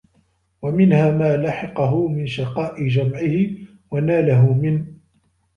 وَمِنْهَا مَا لَحِقَهُ مِنْ شَقَاءِ جَمْعِهِ ، وَنَالَهُ مِنْ